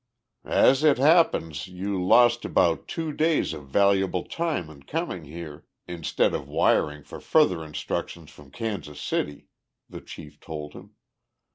"As it happens, you lost about two days of valuable time in coming here, instead of wiring for further instructions from Kansas City," the chief told him.